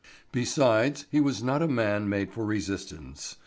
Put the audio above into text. Besides, he was not a man made for resistance.